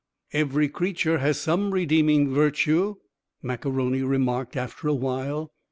"Every creature has some redeeming virtue," Mac A'Rony remarked after a while.